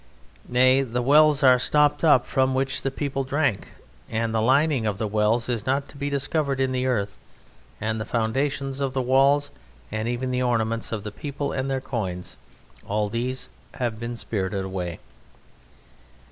Nay, the wells are stopped up from which the people drank, and the lining of the wells is not to be discovered in the earth, and the foundations of the walls, and even the ornaments of the people and their coins, all these have been spirited away.